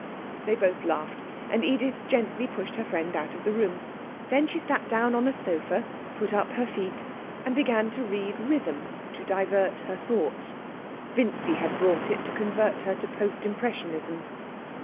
They both laughed, and Edith gently pushed her friend out of the room. Then she sat down on a sofa, put up her feet, and began to read Rhythm to divert her thoughts. Vincy had brought it to convert her to Post Impressionism.